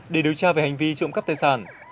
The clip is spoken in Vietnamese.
để điều tra về hành vi trộm cắp tài sản